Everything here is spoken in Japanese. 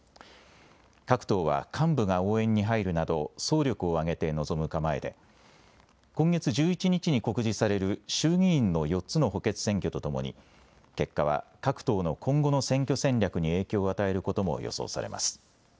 各党は幹部が応援に入るなど総力を挙げて臨む構えで今月１１日に告示される衆議院の４つの補欠選挙とともに結果は各党の今後の選挙戦略に影響を与えることも予想されます。